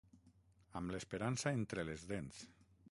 Amb l'esperança entre les dents.